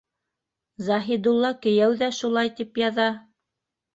Заһидулла кейәү ҙә шулай тип яҙа.